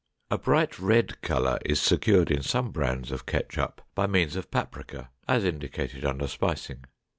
A bright red color is secured in some brands of ketchup by means of paprika, as indicated under spicing.